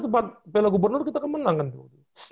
sempat piala gubernur kita kemenang kan tuh